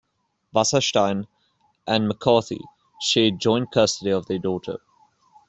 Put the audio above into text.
Wasserstein and McCarthy shared joint custody of their daughter.